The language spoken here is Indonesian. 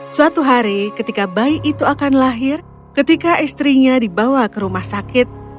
suatu hari ketika bayi itu akan lahir ketika istrinya dibawa ke rumah sakit